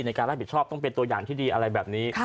ในการรับผิดชอบต้องเป็นตัวอย่างที่ดีอะไรแบบนี้